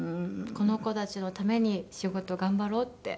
この子たちのために仕事頑張ろうって。